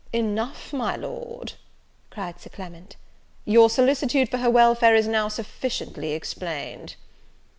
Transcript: "Enough, my Lord," cried Sir Clement, "your solicitude for her welfare is now sufficiently explained."